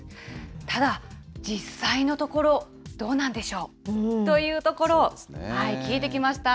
ただ、実際のところ、どうなんでしょうというところを聞いてきました。